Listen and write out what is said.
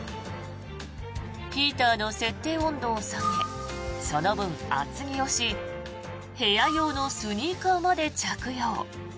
ヒーターの設定温度を下げその分、厚着をし部屋用のスニーカーまで着用。